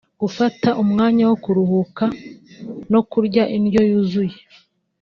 gufata umwanya wo kuruhuka no kurya indyo yuzuye